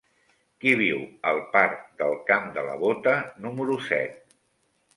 Qui viu al parc del Camp de la Bota número set?